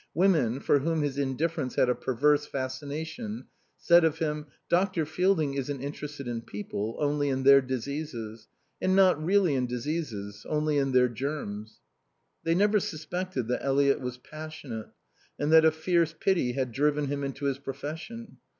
Women, for whom his indifference had a perverse fascination, said of him: "Dr. Fielding isn't interested in people, only in their diseases. And not really in diseases, only in their germs." They never suspected that Eliot was passionate, and that a fierce pity had driven him into his profession.